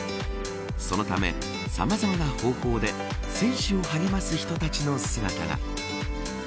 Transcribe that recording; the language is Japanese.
そのため、さまざまな方法で選手を励ます人たちの姿が。